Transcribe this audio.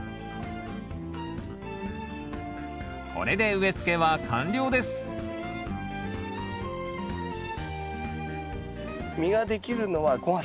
これで植えつけは完了です実ができるのは５月。